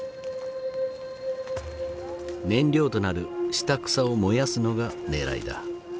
燃料となる下草を燃やすのがねらいだ。